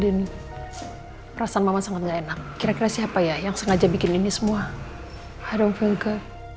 din perasaan mama sangat gak enak kira kira siapa ya yang sengaja bikin ini semua i don't feel good